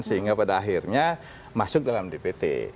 sehingga pada akhirnya masuk dalam dpt